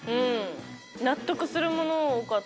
納得するもの多かった。